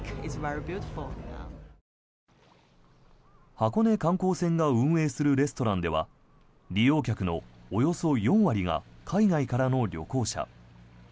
箱根観光船が運営するレストランでは利用客のおよそ４割が海外からの旅行者。